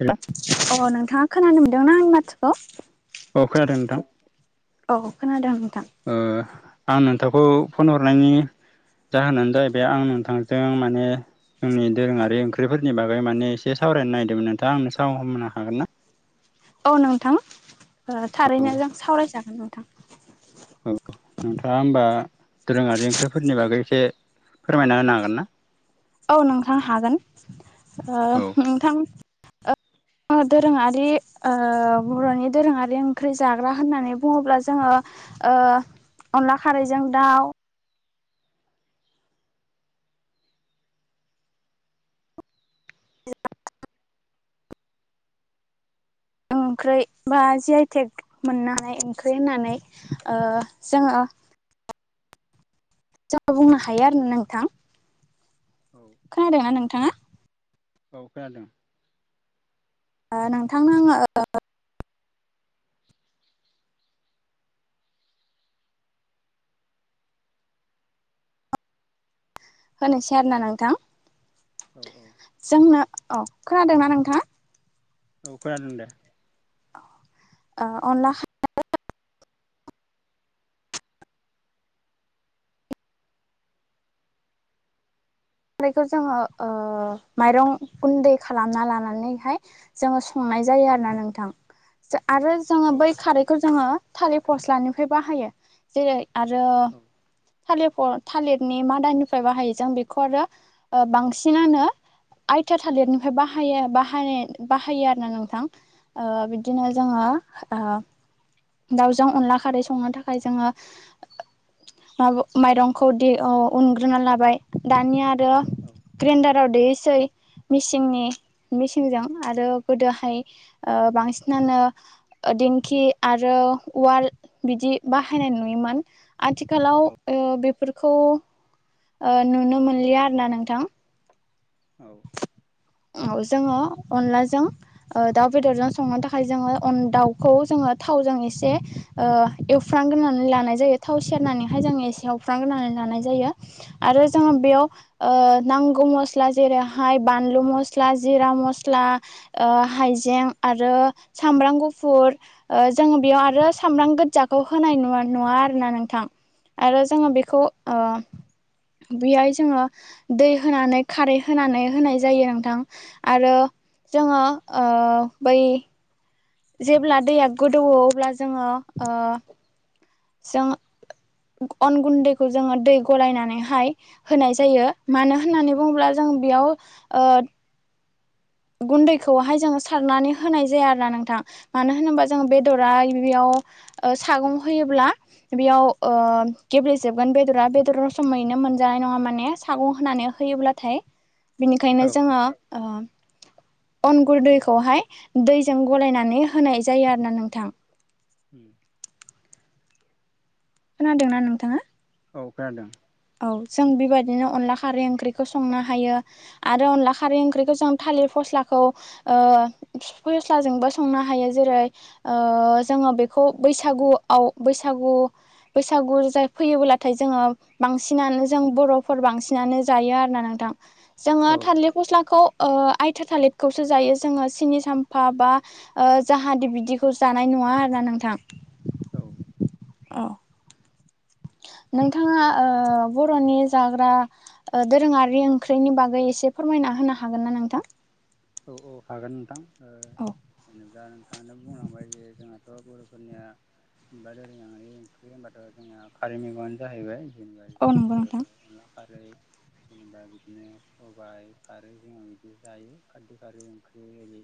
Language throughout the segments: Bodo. हेल' अ नोंथाङा खोनानो मोनदोंना आंनि ब औ खोनादों नोंथां खोनादों नोंथां ओ। आं नोंथांखौ फन हरनायनि जाहोनानो जाहैबाय आं नोंथांजों माने। जोंनि दोरोङारि ओंख्रिफोरनि बागै माने एसे सावरायनो नागिरदोंमोन नोंथाङा आंनो साव हमनो हाखागोन ना। औ नोंथां औ थारैनो जों सावरायजागोन नोंथां। औ नोंथाङा होमबा दोरोङारि ओंख्रिफोरनि बागै एसे फोरमायना होनो हागोन ना? औ नोंथां हागोन ओ औ नोंथां। [inaudible] दोरोङारि ओ बरनि दोरोङारि ओंख्रि जाग्रा होननानै बुङोब्ला जोङो। ओ अनला खारैजों दाउ। ओंख्रै बा जि आइ टेक मोननो हानाय ओंख्रि होननानै ओ जोङो। [unintelligible] जों बुंनो हायो आरोना नोंथां। औ खोनादोंना नोंथाङा? औ खोनादों। ओ नोंथांनो आङो। होनोसै आरोना नोंथां। औ औ जोंनो औ खोनादोंना नोंथाङा। औ खोनादों दे। ओ अनला। जोङो ओ माइरं गुन्दै खालामना लानानैहाय जोङो सं- -नाय जायो आरोना नोंथां। आरो जोङो औ खोनादों औ बै खारैखौ जोङो थालिर फस्लानिफ्राय बाहायो जेरै आरो थालिरखौ थालिरनि मादानिफ्राय बाहायो जों बेखौ आरो। बांसिनानो। आइथिया थालिरनिफ्राय बाहायो बाहाय बाहायो आरो ना नोंथां ओ। बिदिनो जोङो ओ। दावजों अनला खारै संनो थाखाय जोङो। माबा माइरंखौ दे ओ उनग्रोना लाबाय दानिया। आरो ग्रेनडाराव दे - -सै मिसिननि मिसिनजों आरो गोदोहाय ओ बांसिनानो। दिंखि आरो उवाल बिदि बाहायनाय नुयोमोन आथिखालाव बेफोरखौ। ओ नुनो मोनलिया आरो ना नोंथां। औ जोङो अनलाजों दाउ बेदरजों संनो थाखाय जोङो अन दाउखौ जोङो थाव - -जों एसे ओ एवफ्रामग्रोनानै लानाय जायो थाव सेरनानैहाय जों एसे एवफ्र्रांग्रोनानै लानाय जायो। जायो आरो जोङो बेयाव ओ नांगौ मस्ला जेरैहाय बानलु मस्ला जिरा मस्ला ओ हायजें आरो साम - -ब्राम गुफुर जों बेयाव आरो सामब्राम गोजाखौ होनाय नुवा नुवा आरो ना नोंथां। आरो जोङो बेखौ ओ बेहाय जोङो दै होनानै खारै होनानै होनाय जायो नोंथां आरो जोङो ओ बै जेब्ला दैया गोदौवो अब्ला जोङो ओ जों अन गुन्दैखौ जोङो दै गलायनानैहाय होनाय जायो मानो होननानै बुङोब्ला जों बेयाव ओ गुन्दैखौहाय जोङो सारनानै होनाय जाया आरो ना नोंथां मानो होनोबा जों बेदरा बेयाव ओ सागं होयोब्ला बेयाव ओ गेब्लेेजोबगोन बेदरा बेदर होसनै मोनजानाय नङा माने सागं होनानै होयोब्लाथाय बिनिखायनो जोङो ओ अनगुनदै हाय दैजों गलायनानै होनाय जायो आरोना नोंथां। [inaudible] खोनादोंना नोंथाङा? औ खोनादों। औ जों बेबायदिनो अनला खारै ओंख्रिखौ संनो हायो आरो अनला खारै ओंख्रिखौ जों था थालिर फस्लाखौ ओ फस्लाजोंबो संनो हायो जेरै ओ जोंओ बेखौ बैसागुआव बैसागु बैसागु फैयोब्लाथाय जोङो बांसिनानो जों बर'फोर बांसिनानो जायो आरोना नोंथां जोङो थालिर फस्लाखौ ओ आयथा थालिरखौसो जायो जोङो सिनि साम्फा बा जाहादे बिदिखौ जानाय नु नुङा आरोना नोंथां। औ। औ। [inaudible] नोंथाङा ओ बर'नि जाग्रा ओ दोरोङारि ओंख्रिनि बागै एसे फोरमायना होनो हागोनना नोंथां? औ औ हागोन नोंथां ओ औ जेनेबा नों बुंलांबाय जे जोंहाथ' बरफोरनिया जेनेबा दोरोङारि ओंख्रि होनबाथ' जोंना खारै मैगंआनो जाहैबाय जेनेबा औ नंगौ ओ नोंथां अनला खारै जेनेबा बिदिनो सबाय खारै जोङो बिदि जायो। खारदै खारि ओख्रिं जेरै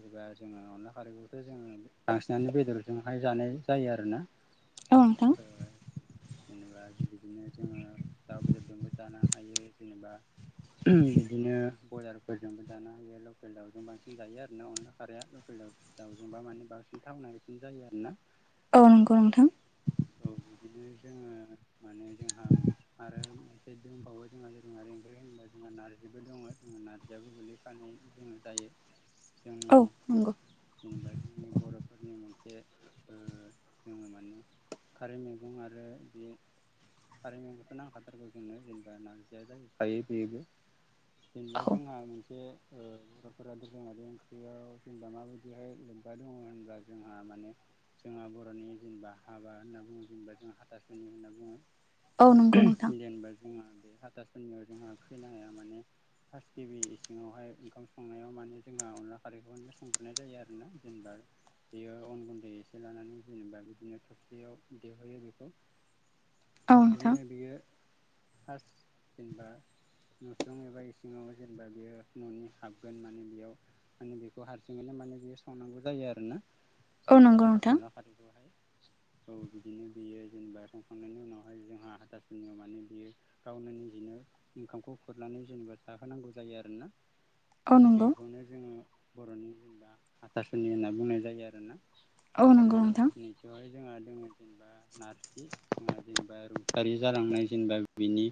जेबा जोङो अनला खारैखौथ' जोङो बांसिनानो बेदरजोंहाय जानाय जायो आरोना। औ नोंथां‌। ओ जेनेबा बेबायदिनो जोङो दाउ बेदरजोंबो जानो हायो जेनेबा बिदिनो बयलारफोरजोंबो। जानो हायो लकेल दाउजों बांसिन जायो आरोना अनला खारैया लकेल दाजोंबा माने बांसिन थावनायसिन जायो। आरोना। औ नंगौ नोंथां। औ बिदिनो जोङो माने जोंहा आरो मोनसे दंबावो जोंहा [unintelligible] होनबा जोंहा नारजिबो दङ जोंहा नारजियाबो गोगलैफानाय जोङो जायो। जोंनि औ नंगौ जेनेबा जोंनि बर'फोरनि मोनसे बे ओ जोङो माने खारै मैगं आरो बे खारै मैगं नांखाथारगौ जोंनो जेनेबा नारजिया जाखायो बेबो जेनेबा औ जोंहा मोनसे ओ बर'फोरा दोरोङारि ओंख्रियाव जेनबा माबायदिहाय लोब्बा दङ होनबा जोंहा माने जोंहा बर'नि जेनेबा हाबा होनना बा जेनेबा जों हाथासुनि होनना बुङो नंगौ नोंथां जेनेबा जोंहा बे हाथासुनियाव जोंहा खैनाया माने फास्ट गिबि इसिङावहाय ओंखाम संनायाव माने जोंहा अनला खारैखौनो संग्रोनाय जायो आरोना जेनेबा बेयो अन गुन्दै एसे लानानै जेनेबा बिदिनो थबसियाव देहोयो बेखौ औ नोंथां औ नंगौ नोंथां औ नंगौ बिदिनो बियो हास जेनेबा न'सि एबा इसिङाव जेनेबा बेयो न'नि हाबगोन माने बेयाव माने बेखौ हारसिङैनो माने बियो संनांगौ जायो आरोना औ जेनेबा नंगौ नोंथां अनला खारैखौहाय। औ बिदिनो बेयो संखांनायनि उनावहाय जोंहा हाथासुनियाव माने बियो गावनो निजिनो ओंखामखौ खुरनानै जेनेबा जाहोनांगौ जायो आरोना। औ नंगौ बेखौनो जोङो बर'नि जेनेबा हाथासुनि होनना बुंनाय जायो आरोना। आरो नैथियावहाय जोंहा दोङो जेनेबा नारजि जोंहा जेनेबा रुंसारि जालांनाय जेनेबा बिनि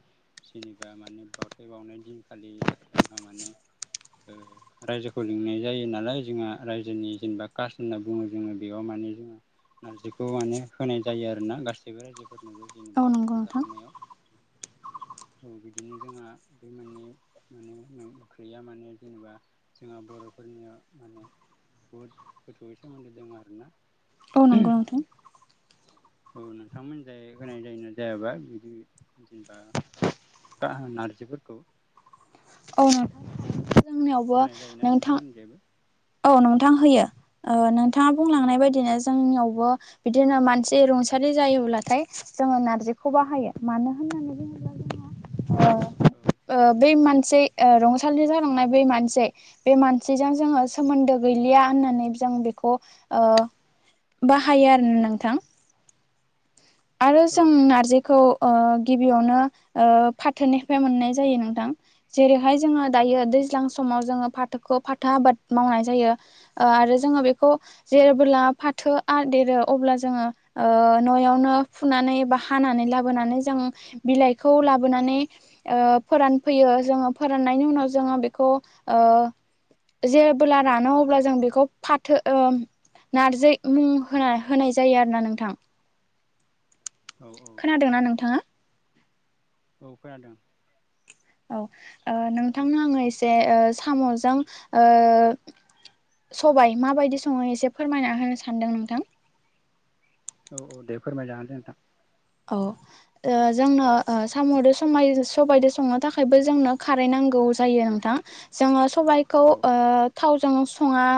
जेनेबा माने बावथाय बावनाय दिनखालि जोंहा माने रायजोखौ लिंनाय जायो नालाय। जोंहा रायजोनि जेनेबा कास होनना बुङो जोङो बेयाव माने नै जोंङो नारजिखौ माने होनाय जायो आरो ना गासैबो रायजोफोरनोबो जेनेबा ओंखाम नोंथां जाहोनायाव। औ, बिदिनो जोंहा बे मोननै माने ओंख्रिया माने जेनेबा जोंहा बर' [unintelligible] माने बुहुद गोथौै सोमोन्दो दङ आरोना। औ नंगौ नोंथां। औ, नोंथांमोनजाय होनाय जायोना जायाबा बिदि जेनेबा? नारजिफोरखौ [unintelligible] जोंनियावबो होनाय जायोना नोंथां नोंथांमोननिजायबो औ, नोंथां होयो। ओ नोंथाङा बुंलांनाय बायदिनो जोंनियावबो बिदिनो मानसि रुंसारि जायोब्लाथाय जोङो नारजिखौ बाहायो। मानो होननानै बुङोब्ला जोंहा ओ औ ओ बै [unintelligible] ओ रंसारि जालांनाय बै मानसै, मानसै जों जोङो सोमोन्दो गैलिया होननानै जों बेखौ ओ बाहायो आरो ना नोंथां। आरो औ जों नारजिखौ ओ गिबियावनो ओ फाथोनि मोननाय जायो नोंथां। जेरैहाय जोङो दायो दैज्लां समाव जोंङो फाथोखौ फाथो आबाद मावनाय जायो। ओ आरो जोंङो बेखौ जेबोला [unintelligible] फाथोआ देरो, अब्ला जोङो ओ न'आवनो फुनानै बा हानानै लाबोनानै जों बिलाइखौ लाबोनानै ओ फोरानफैयो। ओ, जोङो फोराननायनि उनाव जोङो बेखौ ओ जेबोब्ला रानो अब्ला जों बेखौ फाथो ओ नारजि मुं होना -होनाय जायो आरोना नोंथां। औ खोनादोंना नोंथाङा? औ खोनादों। औ -ओ, नोंथांनो आङो एसे ओ साम'जों ओ सबाय माबायदि सङो एसे फोरमायना होनो सानदों नोंथां। औ -औ, दे फोरमाय जागोन दे नोंथां। औ। ओ जोंनो साम'जों सबायजो-सबायाइजों संनो थाखायबो जोंनो खारै नांगौ जायो। [unintelligible] जोंङो सबायखौ औ ओ थावजों संङा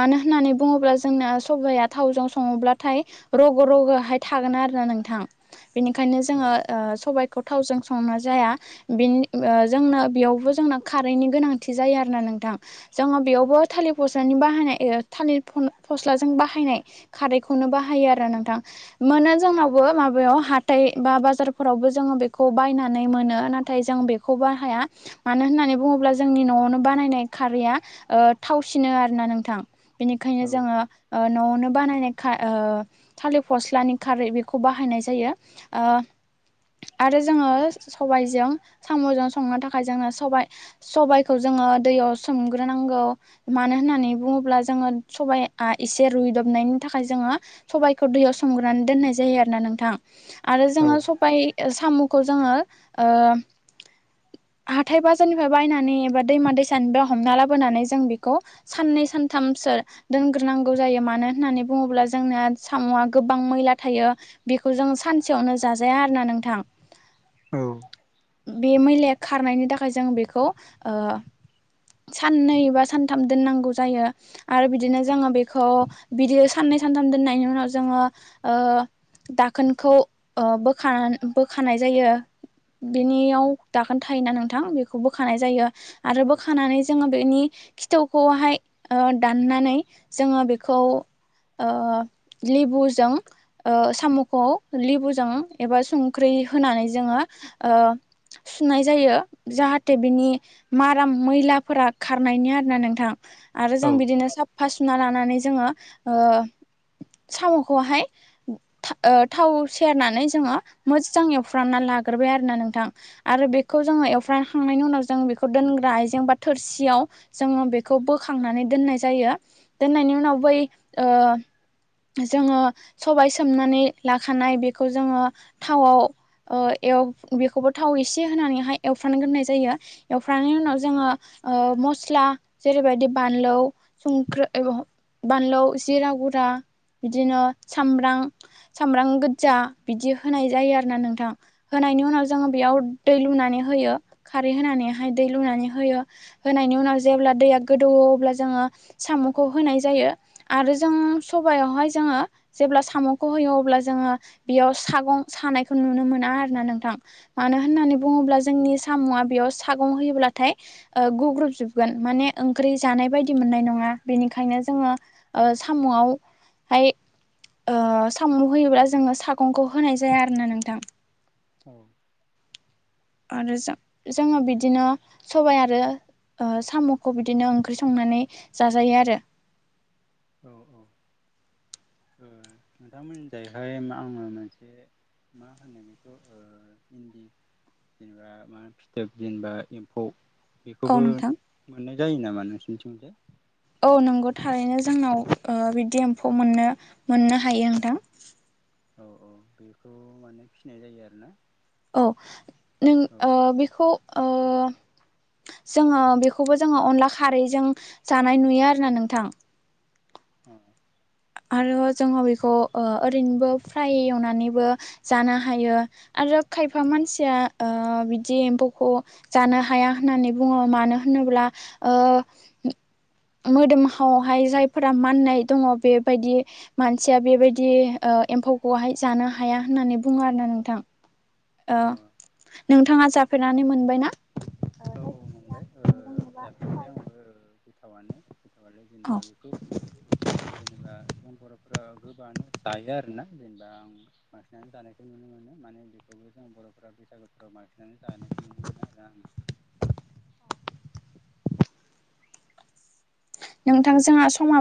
मानो होननानै बुङोब्ला जोंना सबाया थावजों सङोब्लाथाय रग' रागहाय थागोन आरोना नोंथां। बेनिखायनो जोङो औ ओ सबाय बेखौ थावजों संना जाया। बे जों बेयावबो जोंना खारैनि गोनांथि जायो आरोना नों नोंथां जोङो बेयावबो थालिर फस- ब -फस्लाजों बाहायनाय। [unintelligible] बाहायो आरो ना नोंथां। मोनो जोंनावबो बेयाव हाथाय बा बाजारफोरावबो जोङो बेखौ बायनानै मोनो। नाथाय जों बेखौ बाहाया। मानो होननानै बुङोब्ला जोंनि न'आवनो बानायनाय खारैया ओ थावसिनो आरोना नोंथां। बेनिखायनो औ जोङो ओ न'आवनो बनायनाय खा ओ थालिर फस्लानि खारै बेखौ बाहायनाय जायो। ओ आरो जोङो सबायजों साम'जों संनो थाखाय जोङो सबाय- सबायखौ जोङो ओ दैयाव सोमग्रोनांगौ। मानो होननानै बुङोब्ला जोङो सबाया एसे रुदब [unintelligible] नि थाखाय जोङो सबायखौ दैयाव संग्रोनानै दोननाय जायो आरो ना नोंथां। आरो जोङो सबाय ओ साम'खौ जोङो ओम [inaudible] हाथाय बाजारनिफाय बायनानै एबा दैमा- दैसानिफ्राय हमना लाबोनानै जों बेखौ साननै सानथामस सो दोनग्रोनांगौ जायो मानो होननानै बुङोब्ला जोंना साम'आ गोबां मैला थायो बेख खौ जों सानसेयावनो जाजाया आरोना नोंथां। औ उम बे मैलाया खारनायनि थाखाय जों बेखौ ओ साननै बा सानथाम दोननांगौ जायो आरो बिदिनो जोङो बेखौ बिदि सान [unintelligible] [unintelligible] सानथाम दोननायनि उनाव जोङो ओ दाखोनखौ ओ बोखानान बोखानाय जायो। बेनियाव दाखोन थायोना नोंथां बेखौ बोखानाय जायो आरो बोखानानै जोङो बेनि खिथौखौहाय ओ दाननानै जोङो बेखौ ओ लेबुजों ओस साम'खौ लेबुजों एबा संख्रि होनानै जोङो ओ सुनाय जायो जाहाते बिनि माराम मैलाफोरा खारनायनि आरोना नोंथां। आरो औ जों बिदिनो साबफा सुना लानानै ज जोङो ओ साम'खौहाय था ओ थाव सेरनानै जोङो मोजजां एवफ्रामना लाग्रोबाय आरो ना नोंथां आरो बे [unintelligible] खौ जोङो एवफ्रा [unintelligible] खांनायनि उनाव जों बेखौ दोनग्रा आइजें बा थोरसियाव जोङो बेखौ बोखांनानै दोननाय जायो दोननायनि उनाव बै ओ‌ जोङो सबाय स सोमनानै लाखानाय बेखौ जोङो थावाव ओ एव बेखौबो थाव एसे होन होनानैहाय एवफ्राम गोरनाय जायो एवफ्रामनायनि उनाव जोङो ओ मस्ला जेरैबादि बान [unintelligible] लौ संख्रो एबाव हम बानलौ जिरा गुरा बिदिनो सामब्रां सामब्रां गोदजा बिदि होनाय जायो आरोना नोंथां। होनायनि उनाव जोङो बेयाव दै लु नानै होयो खारै होनानैहाय दै लुनानै होयो होनायनि उनाव जेब्ला दैया गोदौयो अब्ला जोङो साम'खौ होनाय जायो आरो जों सबायावहाय जोङो जेब्ला साम' खौ होयो अब्ला जोङो बेयाव सागं सानायखौ नुनो मोना आरो ना नोंथां। मानो होननानै बुङोब्ला जोंनि स साम'आ बेयाव सागं होयोब्लाथाय ओ गुग्रुबजुबगोन माने ओंख्रै जानाय बायदि मोननाय नङा [unintelligible] बेनिखायनो जोङो ओ साम'आव हाय ओ [unintelligible] साम' होयोब्ला जोङो सागंखौ होनाय जाया आरो ना नोंथां। औ। आरो जों जोङो बिदिनो सबाइ आरो ओ साम'खौ बिदिनो ओंख्रि संनानै जाजायो आरो औ -औ ओ नोंथांमोननिजायहाय मा आङो मोनसे मा होनो बेखौ ओ इन्दि जेनेबा मा फिथोब जेनेबा एम्फौ औ बेखौबो नोंथां मोननाय जायो नामा नोंसिनिथिंजाय औ नंगौ थारैनो जोंनाव ओ बिदि एम्फौ मोननो मोननो हायो नोंथां। औ -औ बेखौ माने फिनाय जायो आरोना। औ नों औ ओ बेखौ ओ जोङो बेखौबो जोङो अनला खारैजों जानाय नुयो आरो ना नोंथां। औ आरो जोङो बेखौ ओ ओरैनोबो फ्राय एवनानैबो जानो हायो आर [unintelligible] रो खायफा मानसिया ओ बिदि एम्फौखौ जानो हाया होननानै बुङो मानो होनो ब्ला ओ [unintelligible] मोदोमहावहाय जायफोरा माननाय दंङ' बेब बायदि मानसिया बेबायदि ओ एम्फौखौहाय जानो हाया होननानै बुङो आरो ना नोंथां। आ। नोंथांङा जाफेरनानै मोनबाय ना? औ औ मोनबाय ओ जेनेबा जाफेरबाय आंबो गोथावानो। माने जेनेबा औ बेखौ ओ जेनेबा जों बर' ओ गोबाङानो जायो आरोना जेनेबा आं बांसिनानो जानायखौ नुनो मोनो माने बेखौ जों बर' फोरा बैसागोफ्राव बांसिनानै जानायखौ नुनो मोनो आरो आं। नोंथां जोंहा समा